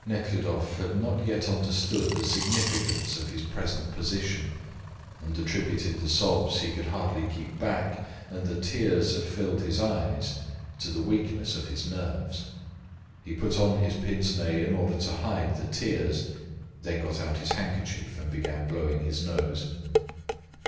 Nekhludoff had not yet understood the significance of his present position, and attributed the sobs he could hardly keep back and the tears that filled his eyes to the weakness of his nerves. He put on his pince nez in order to hide the tears, then got out his handkerchief and began blowing his nose.